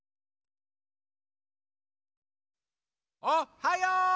おっはよう！